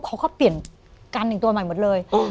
เขาก็เปลี่ยนกันอีกตัวใหม่หมดเลย